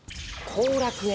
後楽園？